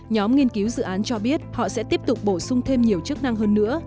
nhóm nghiên cứu dự án cho biết họ sẽ tiếp tục bổ sung thêm nhiều chức năng hơn nữa